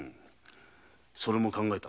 それも考えた。